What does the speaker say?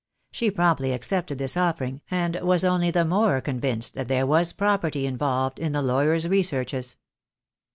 She promptly accepted this offering, and was only the more convinced that there was "property" involved in the lawyer's researches.